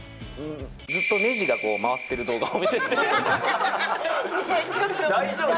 ずっとねじが回っている動画を見大丈夫？